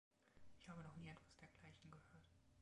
Ich habe noch nie etwas dergleichen gehört.